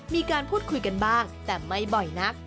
มีการพูดคุยกันบ้างแต่ไม่บ่อยนัก